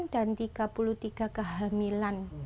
dan tiga puluh tiga kehamilan